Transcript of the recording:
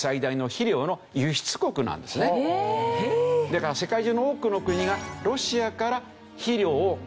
だから世界中の多くの国がロシアから肥料を買う。